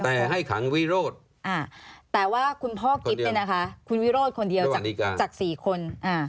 แต่ให้ขังวิโรธแต่ว่าคุณพ่อกิ๊บเนี่ยนะคะคุณวิโรธคนเดียวจาก๔คน